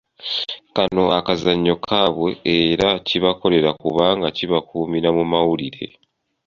Kano kazannyo kaabwe era kibakolera kubanga kibakuumira mu mawulire.